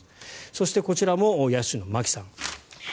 そして、こちらも野手の牧さん。